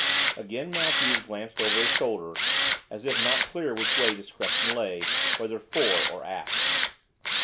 Again Matthews glanced over his shoulder, as if not clear which way discretion lay, whether fore or aft.